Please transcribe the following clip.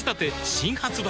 新発売